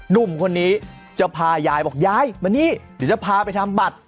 หนุ่มคนนี้จะพายายบอกยายมานี่เดี๋ยวจะพาไปทำบัตร